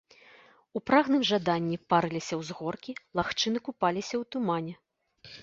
У прагным жаданні парыліся ўзгоркі, лагчыны купаліся ў тумане.